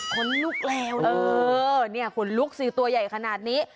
คนลุกแล้วเออเนี่ยขนลุกสิตัวใหญ่ขนาดนี้